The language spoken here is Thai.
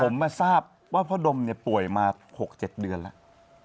ผมมาทราบว่าพ่อดมเนี่ยป่วยมา๖๗เดือนแล้ว